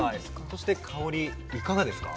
そして香りいかがですか？